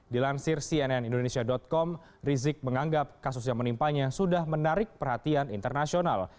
dilansir cnn indonesia com rizik menganggap kasus yang menimpanya sudah menarik perhatian internasional